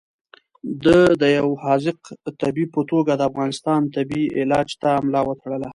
ده د یو حاذق طبیب په توګه د افغانستان تبې علاج ته ملا وتړله.